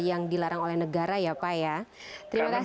yang dilarang oleh negara ya pak ya terima kasih